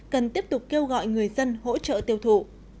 cần tiếp tục kêu gọi người dân hỗ trợ tiêu thụ